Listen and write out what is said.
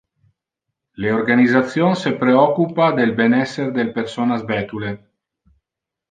Le organisation se preoccupa del ben-esser del personas vetule.